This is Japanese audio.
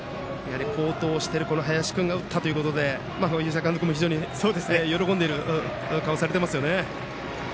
好投している林君が打ったということで吉田監督も喜んでいる顔されてますね。